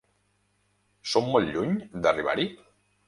Som molt lluny d’arribar-hi?